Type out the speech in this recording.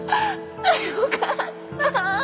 よかった！